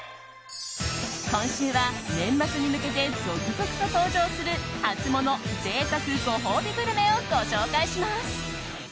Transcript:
今週は年末に向けて続々と登場するハツモノ、贅沢、ご褒美グルメをご紹介します。